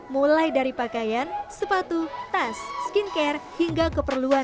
mulai dari pakaian sepatu tas skincare hingga keperluan